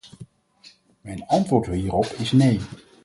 Mijn antwoord hierop is nee.